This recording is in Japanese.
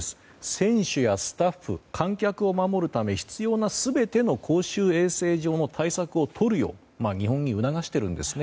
選手やスタッフ、観客を守るため必要な全ても公衆衛生上の対策をとるよう日本に促しているんですね。